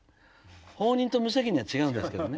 放任と無責任は違うんですけどね。